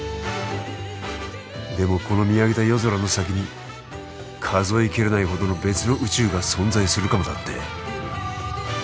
でもこの見上げた夜空の先に数えきれないほどの別の宇宙が存在するかもだって？